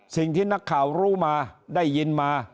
สิ่งที่นักข่าวรู้มาได้ยินมา